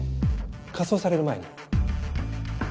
火葬される前に。